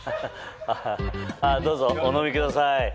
どうぞお飲みください。